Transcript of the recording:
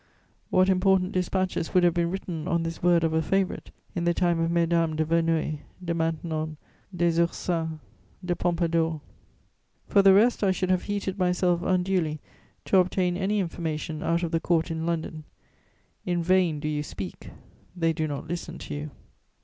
What important dispatches would have been written on this word of a favourite in the time of Mesdames de Verneuil, de Maintenon, des Ursins, de Pompadour! For the rest I should have heated myself unduly to obtain any information out of the Court in London: in vain do you speak, they do not listen to you.